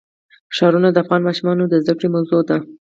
ښارونه د افغان ماشومانو د زده کړې موضوع ده.